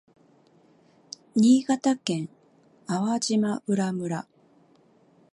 新潟県粟島浦村